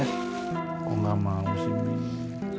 kok gak mau sih